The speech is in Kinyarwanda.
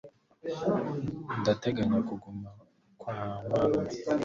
Ndateganya kuguma kwa marume.